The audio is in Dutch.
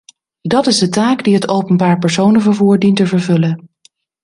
Dat is de taak die het openbaar personenvervoer dient te vervullen.